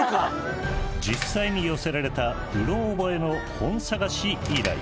実際に寄せられたうろ覚えの本探し依頼。